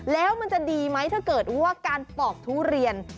แล้วมันจะดีไหมถ้าเกิดว่าการปอกทุเรียน